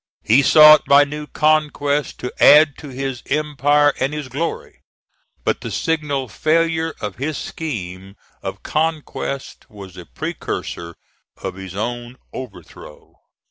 He sought by new conquests to add to his empire and his glory; but the signal failure of his scheme of conquest was the precursor of his own overthrow.